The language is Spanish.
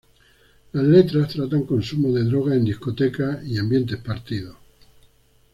Las letras tratan consumo de drogas en discotecas y ambientes partido.